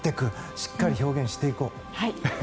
しっかり表現していこう。